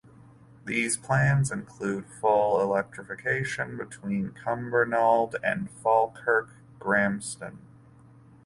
These plans include full electrification between Cumbernauld and Falkirk Grahamston.